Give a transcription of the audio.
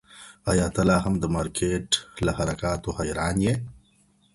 ایا ته لا هم د مارکیټ له حرکاتو حیران یې...؟